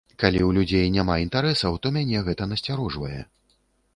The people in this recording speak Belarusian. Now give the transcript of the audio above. Калі ў людзей няма інтарэсаў, то мяне гэта насцярожвае.